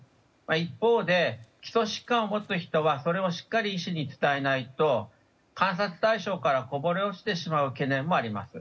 一方で、基礎疾患を持つ人はそれをしっかり医師に伝えないと観察対象からこぼれ落ちてしまう懸念もあります。